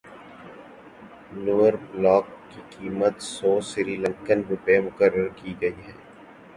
lower block کی قیمت سو سری لنکن روپے مقرر کی گئی ہے